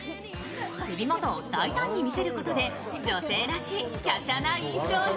首元を大胆に見せることで女性らしいきゃしゃな印象に。